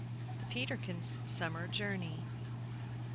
THE PETERKINS' SUMMER JOURNEY.